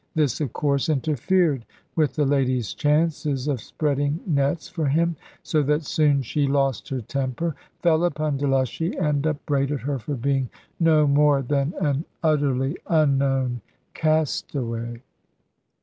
This of course interfered with the lady's chances of spreading nets for him, so that soon she lost her temper, fell upon Delushy, and upbraided her for being no more than an utterly unknown castaway.